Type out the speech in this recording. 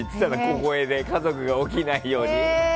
小声で、家族が起きないように。